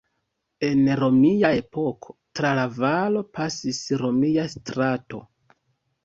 En romia epoko tra la valo pasis romia strato.